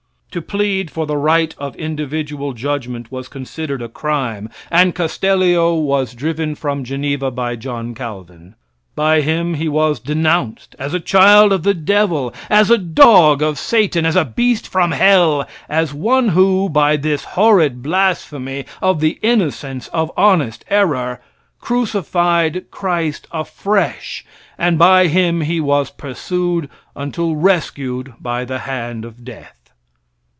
To plead for the right of individual judgment was considered as a crime, and Castellio was driven from Geneva by John Calvin. By him he was denounced as a child of the devil, as a dog of Satan, as a beast from hell, and as one who, by this horrid blasphemy of the innocence of honest error, crucified Christ afresh, and by him he was pursued until rescued by the hand of death.